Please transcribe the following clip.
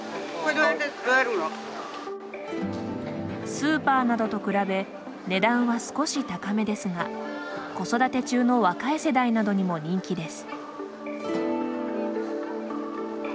スーパーなどと比べ値段は少し高めですが子育て中の若い世代などにも人気です。